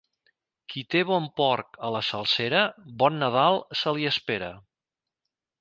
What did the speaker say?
Qui té bon porc a la salsera, bon Nadal se li espera.